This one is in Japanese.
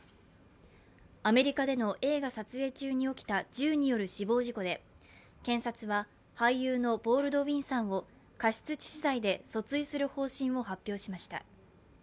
アメリカでの映画撮影中に起きた銃による死亡事故で、検察は俳優のボールドウィンさんを過失致死罪で訴追する方針を発表しました。